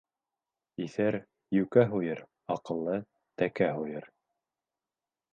Иҫәр йүкә һуйыр, аҡыллы тәкә һуйыр.